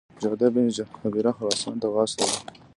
جعده بن هبیره خراسان ته واستاوه.